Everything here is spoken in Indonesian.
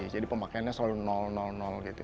jadi pemakaiannya selalu gitu